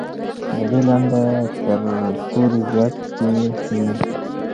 د دې لنډۍ تر تورې زیاتې وې.